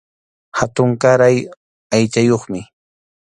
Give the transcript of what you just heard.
Hatunkaray aychayuqmi.